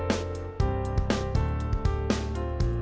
aduh aduh aduh aduh